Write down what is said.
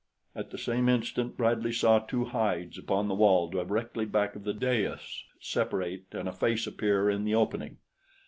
At the same instant Bradley saw two hides upon the wall directly back of the dais separate and a face appear in the opening.